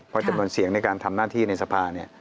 เพราะจำนวนเสียงในการทำหน้าที่ในสภาเนี่ย